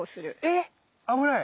え⁉危ない？